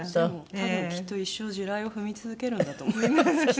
多分きっと一生地雷を踏み続けるんだと思いますきっと。